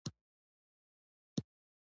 چې تاسو پرمختګ کوئ دا یو حقیقت دی.